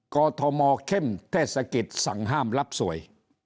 กอทมเข้มเทศกิจสั่งห้ามรับสวย